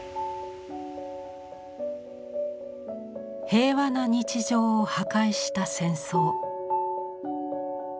平和な日常を破壊した戦争。